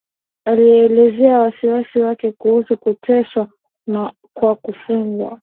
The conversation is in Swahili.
Alielezea wasiwasi wake kuhusu kuteswa kwa wafungwa